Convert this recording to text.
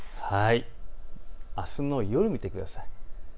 あすの夜を見てください。